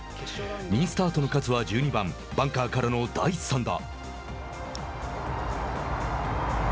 ２位スタートの勝はバンカーからの第３打。